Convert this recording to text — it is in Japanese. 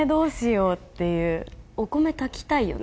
お米炊きたいよね。